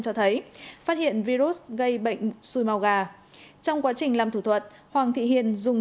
cho thấy phát hiện virus gây bệnh xui màu gà trong quá trình làm thủ thuật hoàng thị hiền dùng